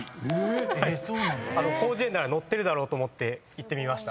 えっ⁉広辞苑なら載ってるだろうと思っていってみました。